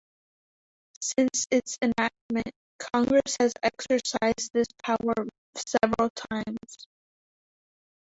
Since its enactment, Congress has exercised this power several times.